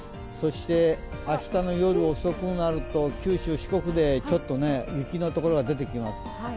そして、明日の夜遅くになると九州、四国でちょっと雪のところが出てきます。